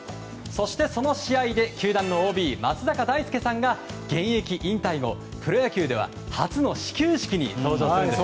そして、その試合で球団のＯＢ松坂大輔さんが現役引退後プロ野球では初の始球式に登場します。